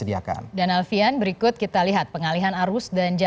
dan alfian berikut kita lihat pengalihan arus dan jalur cepat